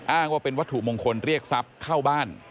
อ้างว่าเป็นวัตถุมงคลเรียกทรัพย์เข้าบ้าน